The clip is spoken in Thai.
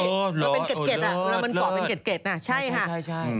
อยู่ทั่วเพียงเกร็ด